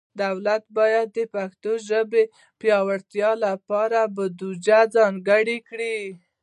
دولت باید د پښتو ژبې پیاوړتیا ته بودیجه ځانګړي کړي.